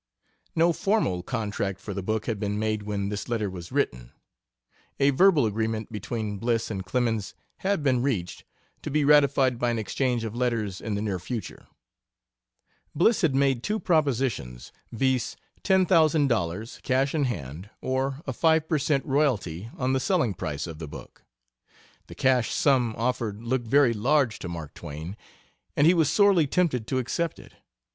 No formal contract for the book had been made when this letter was written. A verbal agreement between Bliss and Clemens had been reached, to be ratified by an exchange of letters in the near future. Bliss had made two propositions, viz., ten thousand dollars, cash in hand, or a 5 per cent. royalty on the selling price of the book. The cash sum offered looked very large to Mark Twain, and he was sorely tempted to accept it.